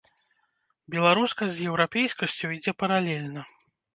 Беларускасць з еўрапейскасцю ідзе паралельна.